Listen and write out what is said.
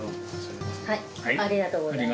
ありがとうございます。